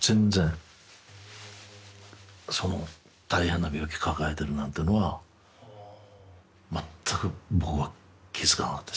その大変な病気抱えてるなんていうのは全く僕は気付かなかったですよ。